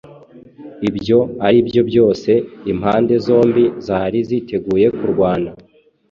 Ibyo aribyo byose, impande zombi zari ziteguye kurwana